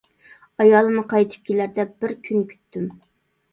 ئايالىمنى قايتىپ كېلەر دەپ بىر كۈن كۈتتۈم.